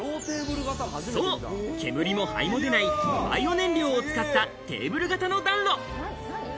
そう、煙も灰も出ないバイオ燃料を使ったテーブル型の暖炉。